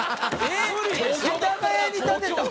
世田谷に建てた？